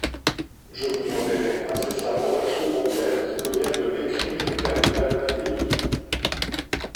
Je vous enverrai incessamment la seconde lettre que vient de m'écrire le cardinal Mattei.